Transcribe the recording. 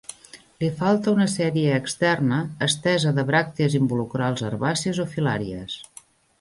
Li falta una sèrie externa estesa de bràctees involucrals herbàcies o filàries.